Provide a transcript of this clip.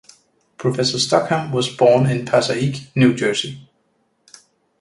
Professor Stockham was born in Passaic, New Jersey.